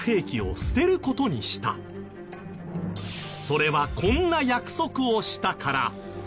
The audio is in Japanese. それはこんな約束をしたから。